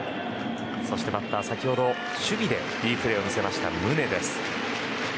バッターは先ほど、守備でいいプレーを見せた宗です。